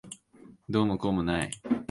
どうもこうもない。